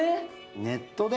ネットで。